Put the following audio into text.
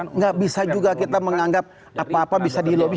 tidak bisa juga kita menganggap apa apa bisa dilobi